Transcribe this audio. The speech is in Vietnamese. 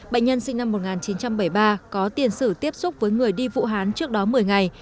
bệnh nhân sinh năm một nghìn chín trăm bảy mươi ba có tiền sử tiếp xúc với người đi vũ hán trước đó một mươi ngày